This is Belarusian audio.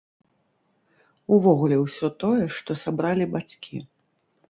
Увогуле, усё тое, што сабралі бацькі.